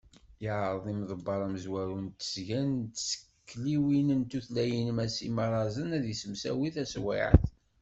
Yeɛreḍ yimḍebber amezwaru n tesga n tsekliwin d tutlayin Mass M. Imarazen ad yessemsawi taswiɛt.